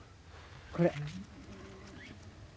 これ。